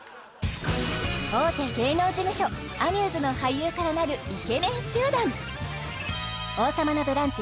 大手芸能事務所アミューズの俳優からなるイケメン集団「王様のブランチ」